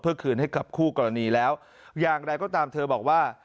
เพื่อคืนให้กับคู่กรณีแล้วอย่างไรก็ตามเธอบอกว่า